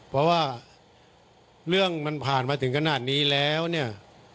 เพราะว่าเรื่องมันผ่านมาถึงขนาดนี้แล้วเนี่ย